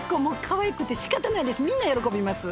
みんな喜びます。